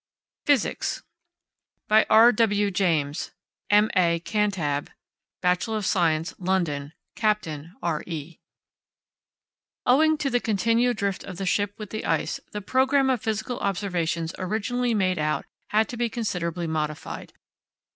PHYSICS By R. W. JAMES, M.A. (Cantab.), B.Sc. (Lond.), Capt. R.E. Owing to the continued drift of the ship with the ice, the programme of physical observations originally made out had to be considerably modified.